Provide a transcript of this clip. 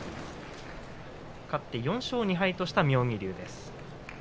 勝って４勝２敗とした妙義龍。